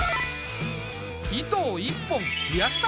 糸を１本増やしたのか。